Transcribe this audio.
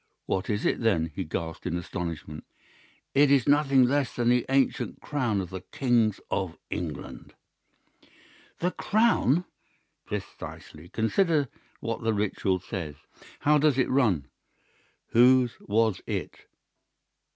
"'What is it, then?' he gasped in astonishment. "'It is nothing less than the ancient crown of the Kings of England.' "'The crown!' "'Precisely. Consider what the Ritual says: How does it run? "Whose was it?"